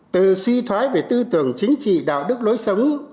từ suy thoái về tư tưởng chính trị đạo đức lối sống